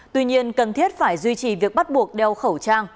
tuy nhiên cần thiết phải duy trì việc bắt buộc đeo khẩu trang